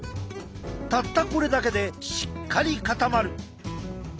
たったこれだけでしっかり固まる。